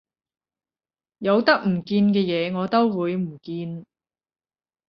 有得唔見嘅嘢我都會唔見